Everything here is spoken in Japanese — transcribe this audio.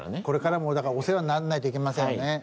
これからもだからお世話にならないといけませんね。